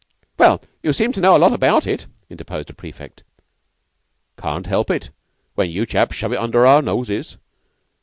"Well, you seem to know a lot about it," interposed a prefect. "Can't help it when you chaps shove it under our noses."